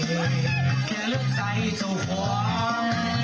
แค่เลือกใสทุกความ